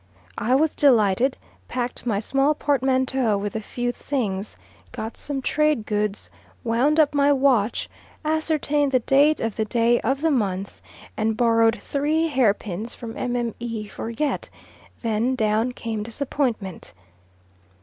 I was delighted, packed my small portmanteau with a few things, got some trade goods, wound up my watch, ascertained the date of the day of the month, and borrowed three hair pins from Mme. Forget, then down came disappointment.